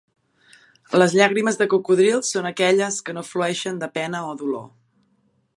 Les llàgrimes de cocodril són aquelles que no flueixen de pena o dolor